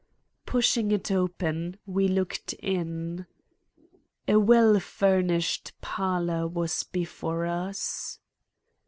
Pushing it open, we looked in. A well furnished parlor was before us.